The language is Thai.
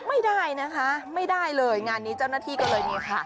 ไม่ได้นะคะไม่ได้เลยงานนี้เจ้าหน้าที่ก็เลยนี่ค่ะ